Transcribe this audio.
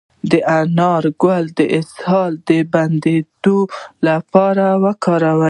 د انار ګل د اسهال د بندیدو لپاره وکاروئ